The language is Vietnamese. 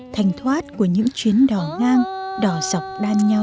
thanh thoát của những chuyến đò ngang đò dọc đan nhau